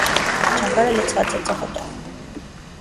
Ճագարը լցված է ծղոտով։